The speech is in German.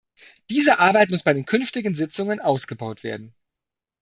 Diese Arbeit muss bei den künftigen Sitzungen ausgebaut werden.